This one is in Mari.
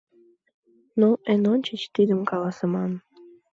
— Ну, эн ончыч тидым каласыман.